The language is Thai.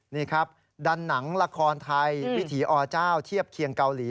นี่ครับดันหนังละครไทยวิถีอเจ้าเทียบเคียงเกาหลี